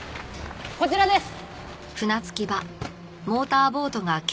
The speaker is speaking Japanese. こちらです！